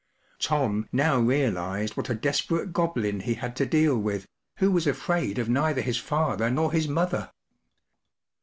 ” Tom now realized what a desperate Goblin he had to deal with, who was afraid of neither his father nor his mother.